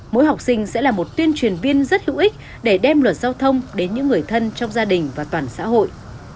mỗi học sinh sẽ là một tuyên truyền viên rất hữu ích để đem luật giao thông đến những người thân trong gia đình và toàn xã hội